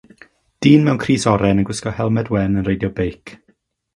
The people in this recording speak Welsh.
Dyn mewn crys oren yn gwisgo helmed wen yn reidio beic.